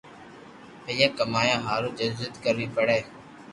پييا ڪمايا ھارو جدوجد ڪروي پڙي